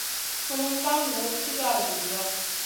Sumun ka ŋur sigara visia.